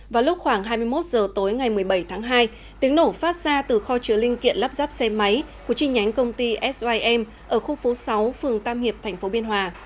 vào lúc khoảng hai mươi một h tối ngày một mươi bảy tháng hai tiếng nổ phát ra từ kho chứa linh kiện lắp ráp xe máy của chi nhánh công ty sim ở khu phố sáu phường tam hiệp tp biên hòa